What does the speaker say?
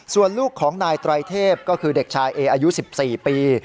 ส่วนลูกของนายไตรเทพก็คือเด็กชายเออายุ๑๔ปี